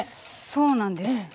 そうなんです。